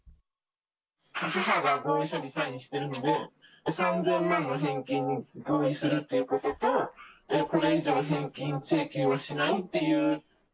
母が合意書にサインしてるので、３０００万の返金に合意するっていうことと、これ以上返金請求はしないっていう。